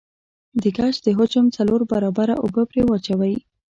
د ګچ د حجم د څلور برابره اوبه پرې واچوئ.